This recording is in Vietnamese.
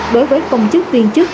đối với công chức viên chức